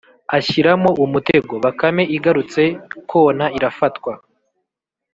ashyiramo umutego. bakame igarutse kona irafatwa